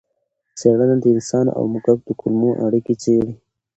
څېړنه د انسان او موږک د کولمو اړیکې څېړي.